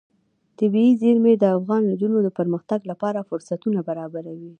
طبیعي زیرمې د افغان نجونو د پرمختګ لپاره فرصتونه برابروي.